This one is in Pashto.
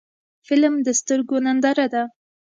فلم د سترګو ننداره ده